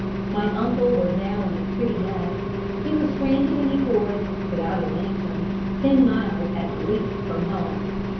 My uncle was now in a pretty mess. He was stranded in a forest without a lantern, ten miles, at least, from home.